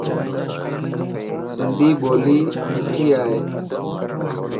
سنڌي ٻولي مٺي ائي.